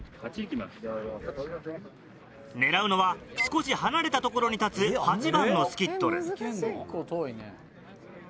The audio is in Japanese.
狙うのは少し離れた所に立つ８番のスキットル。